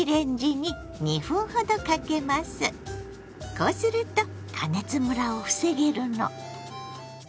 こうすると加熱むらを防げるの。